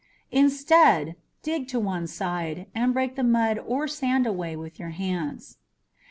Instead, dig to one side, and break the mud or sand away with your hands.